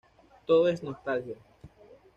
Todo es nostalgia.